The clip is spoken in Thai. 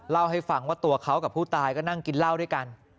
เล่าให้ฟังว่าตัวเขากับผู้ตายก็นั่งกินเหล้าด้วยกัน